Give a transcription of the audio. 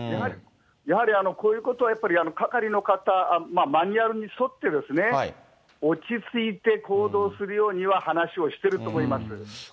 やはりこういうことはやっぱり、係の方、マニュアルに沿って、落ち着いて行動するようには話をしてると思います。